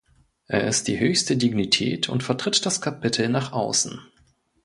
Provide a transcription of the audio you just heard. Er ist die höchste Dignität und vertritt das Kapitel nach außen.